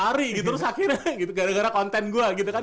lari gitu terus akhirnya gitu gara gara konten gue gitu kan